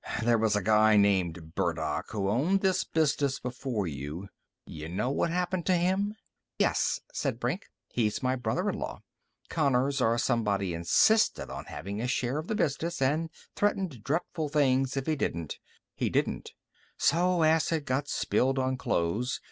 "There was a guy named Burdock who owned this business before you. Y'know what happened to him?" "Yes," said Brink. "He's my brother in law. Connors or somebody insisted on having a share of the business and threatened dreadful things if he didn't. He didn't. So acid got spilled on clothes.